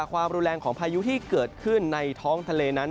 ความรุนแรงของพายุที่เกิดขึ้นในท้องทะเลนั้น